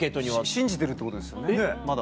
信じてるってことですよねまだ。